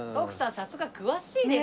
さすが詳しいですね